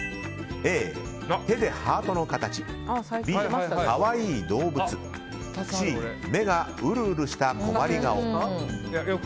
Ａ、手でハートの形Ｂ、可愛い動物Ｃ、目がウルウルした困り顔。